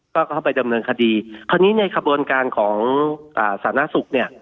ก็เข้าไปดำเนินคดีพอดีในกระบวนการของอ่าสามารถสุขเนี้ย